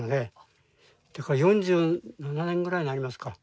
だから４７年ぐらいになりますか。